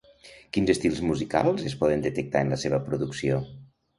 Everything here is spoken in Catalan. Quins estils musicals es poden detectar en la seva producció?